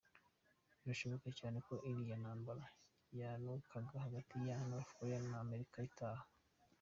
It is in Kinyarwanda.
Birashoboka cyane ko iriya ntambara yanukaga hagati ya North Korea na Amerika itaba.